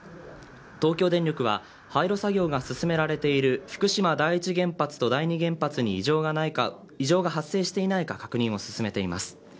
東京電力は廃炉作業が進められている福島第一原発と第二原発に異常が発生していないか確認を進めています。